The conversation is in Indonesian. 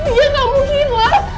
iya ga mungkin lah